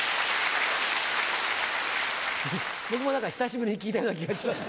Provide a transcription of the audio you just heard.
僕も何か久しぶりに聞いたような気がします。